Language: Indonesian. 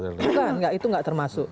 bukan itu tidak termasuk